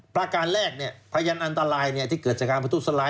ประการแรกเนี่ยพยานอันตรายที่เกิดจากการประตูสลาย